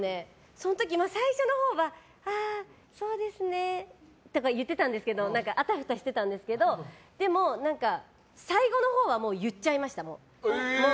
その時、最初のほうはああ、そうですねとか言ってたんですけどあたふたしてたんですけどもう、最後のほうは言っちゃいました。